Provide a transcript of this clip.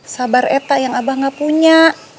sabar eta yang abah gak punya